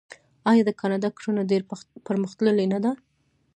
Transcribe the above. آیا د کاناډا کرنه ډیره پرمختللې نه ده؟